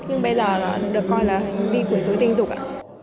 nhưng bây giờ nó được coi là hành vi quấy dối tình dục ạ